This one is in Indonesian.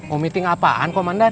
oh meeting apaan komandan